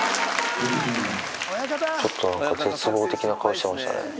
ちょっと何か絶望的な顔してましたね。